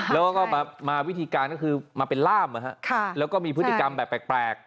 แล้วก็มาวิธีการก็คือมาเป็นล่ามแล้วก็มีพฤติกรรมแบบแปลก